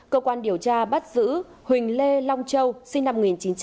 cơ quan điều tra bắt giữ huỳnh lê long châu sinh năm một nghìn chín trăm tám mươi